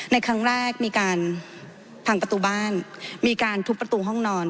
ในครั้งแรกมีการพังประตูบ้านมีการทุบประตูห้องนอน